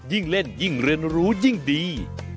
ยิ่งเล่นยิ่งเรียนรู้ยิ่งดี